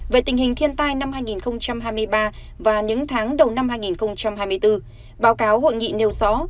về tình hình thiên tai năm hai nghìn hai mươi ba và những tháng đầu năm hai nghìn hai mươi bốn báo cáo hội nghị nêu rõ